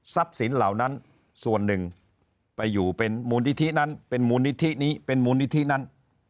ทรัพย์สินเหล่านั้นส่วนหนึ่งมาอยู่เป็นเป็นมูลนิธนั้น